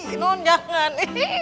mati non jangan